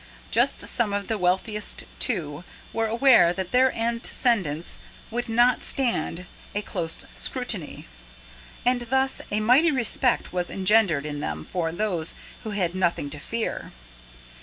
Just some of the wealthiest, too, were aware that their antecedents would not stand a close scrutiny; and thus a mighty respect was engendered in them for those who had nothing to fear.